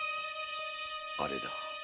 あれだ。